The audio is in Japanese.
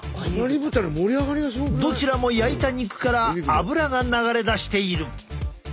どちらも焼いた肉からアブラが流れ出している。